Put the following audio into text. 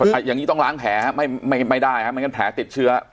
อย่างงี้ต้องล้างแผลฮะไม่ไม่ไม่ได้ฮะมันก็แผลติดเชื้อ